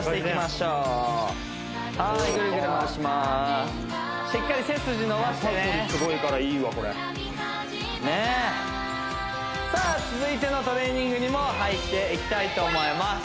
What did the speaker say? しっかり背筋伸ばしてね肩コリすごいからいいわこれねえさあ続いてのトレーニングにも入っていきたいと思います